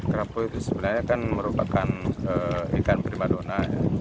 kerabu itu sebenarnya kan merupakan ikan prima donat